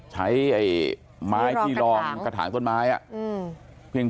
ใช้ไม้ที่รอมต้นไม้อืม